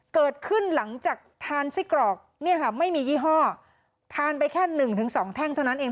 เกิดขึ้นหลังจากทานไส้กรอกเนี่ยค่ะไม่มียี่ห้อทานไปแค่หนึ่งถึงสองแท่งเท่านั้นเอง